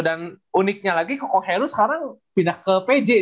dan uniknya lagi koko helu sekarang pindah ke pg